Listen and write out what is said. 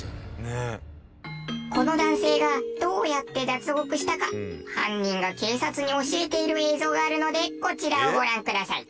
この男性がどうやって脱獄したか犯人が警察に教えている映像があるのでこちらをご覧ください。